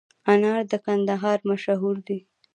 انار د کندهار مشهور دي